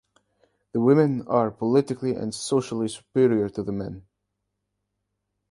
The women are politically and socially superior to the men.